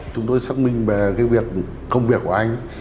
chúng tôi xác minh về cái việc công việc của anh ấy